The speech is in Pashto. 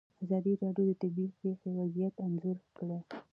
ازادي راډیو د طبیعي پېښې وضعیت انځور کړی.